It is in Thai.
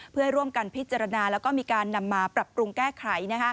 เพื่อร่วมกันพิจารณาแล้วก็มีการนำมาปรับปรุงแก้ไข